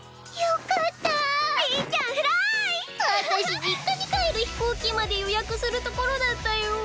私実家に帰る飛行機まで予約するところだったよ。